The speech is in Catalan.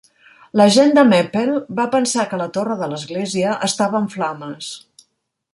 La gent de Meppel va pensar que la torre de l'església estava en flames.